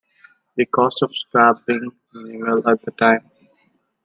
The cost of scrap being minimal at the time.